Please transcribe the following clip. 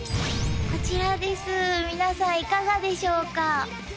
こちらです皆さんいかがでしょうか？